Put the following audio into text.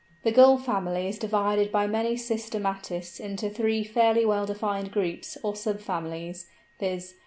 The Gull family is divided by many systematists into three fairly well defined groups or sub families, viz.